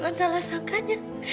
tapi jangan salah sangkanya